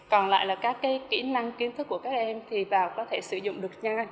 còn lại là các kỹ năng kiến thức của các em thì vào có thể sử dụng được nha